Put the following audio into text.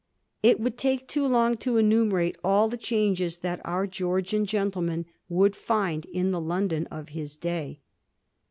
It would take too long to enumerate all the changes that our Georgian gentleman would find in the London of his ■day.